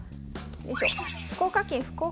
よいしょ。